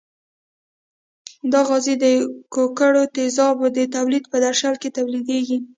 دا غاز د ګوګړو تیزابو د تولید په درشل کې تولیدیږي.